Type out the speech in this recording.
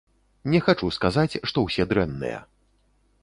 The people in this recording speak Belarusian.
Не хачу сказаць, што ўсе дрэнныя.